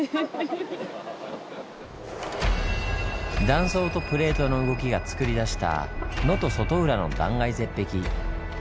断層とプレートの動きがつくり出した能登外浦の断崖絶壁。